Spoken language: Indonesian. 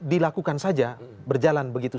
dilakukan saja berjalan begitu